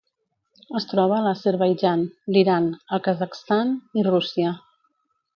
Es troba a l'Azerbaidjan, l'Iran, el Kazakhstan i Rússia.